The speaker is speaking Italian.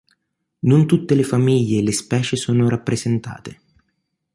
Non tutte le famiglie e le specie sono rappresentate.